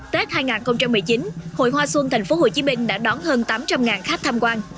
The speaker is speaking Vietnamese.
tết hai nghìn một mươi chín hội hoa xuân tp hcm đã đón hơn tám trăm linh khách tham quan